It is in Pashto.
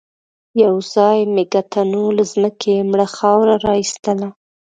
يوځای مېږتنو له ځمکې مړه خاوره را ايستلې وه.